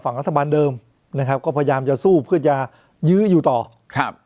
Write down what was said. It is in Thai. รัฐบาลเดิมนะครับก็พยายามจะสู้เพื่อจะยื้ออยู่ต่อครับ